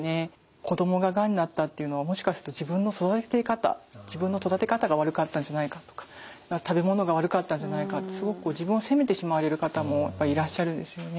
子供ががんになったっていうのをもしかすると自分の育て方が悪かったんじゃないかとか食べ物が悪かったんじゃないかってすごく自分を責めてしまわれる方もいらっしゃるんですよね。